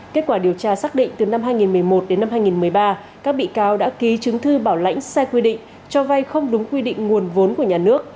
kết quả điều tra xác định từ năm hai nghìn một mươi một đến năm hai nghìn một mươi ba các bị cáo đã ký chứng thư bảo lãnh sai quy định cho vay không đúng quy định nguồn vốn của nhà nước